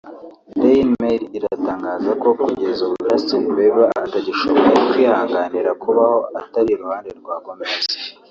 Dailymail iratangaza ko kugeza ubu Justin Bieber atagishoboye kwihanganira kubaho atari iruhande rwa Gomez